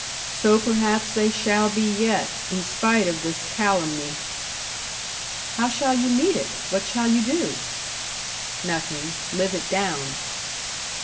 So perhaps they shall be yet, in spite of this calumny." "How shall you meet it? What shall you do?" "Nothing. Live it down."